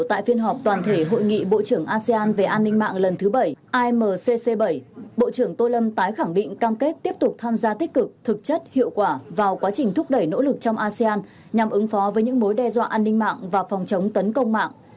tại phiên họp toàn thể hội nghị bộ trưởng asean về an ninh mạng lần thứ bảy amcc bảy bộ trưởng tô lâm tái khẳng định cam kết tiếp tục tham gia tích cực thực chất hiệu quả vào quá trình thúc đẩy nỗ lực trong asean nhằm ứng phó với những mối đe dọa an ninh mạng và phòng chống tấn công mạng